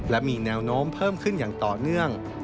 และมีแนวโน้มเพิ่มขึ้นอย่างต่อเนื่อง